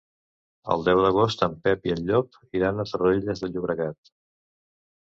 El deu d'agost en Pep i en Llop iran a Torrelles de Llobregat.